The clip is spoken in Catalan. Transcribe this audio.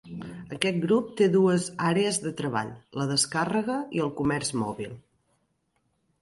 Aquest grup té dues àrees de treball: la descàrrega i el comerç mòbil.